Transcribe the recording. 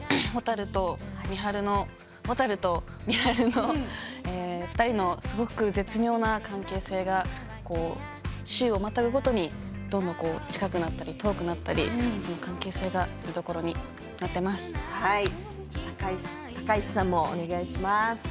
ほたると美晴の２人のすごく絶妙な関係性が週をまたぐごとにどんどん近くなったり遠くなったり、その関係性が高石さんもお願いします。